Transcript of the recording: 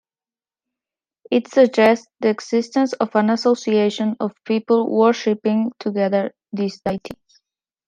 It suggests the existence of an association of people worshipping together this deity.